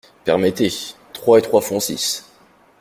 Permettez… trois et trois font six.